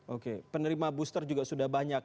oke penerima booster juga sudah banyak